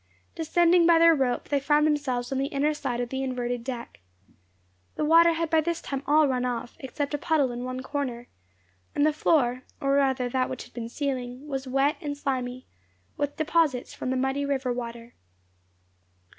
Descending by their rope, they found themselves on the inner side of the inverted deck. The water had by this time all run off, except a puddle in one corner; and the floor, or rather that which had been ceiling, was wet and slimy, with deposits from the muddy river water.